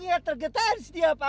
lihat tergetan setiap pak